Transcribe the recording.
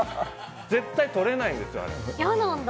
絶対取れないんですよ、あれ。